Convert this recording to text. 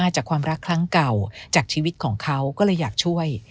จากชีวิตของเขาก็เลยอยากช่วย